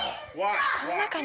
この中に？